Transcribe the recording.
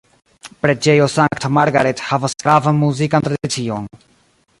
Preĝejo Sankta Margaret havas gravan muzikan tradicion.